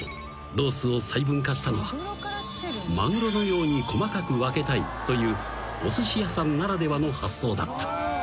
ロースを細分化したのはマグロのように細かく分けたいというおすし屋さんならではの発想だった］